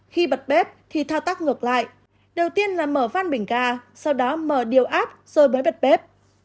khi bật bếp thì thao tác ngược lại đầu tiên là mở van bình ga sau đó mở điều áp rồi bới bật bếp